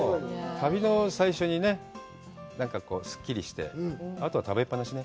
旅の最初にね、なんかすっきりして、あとは食べっ放しね。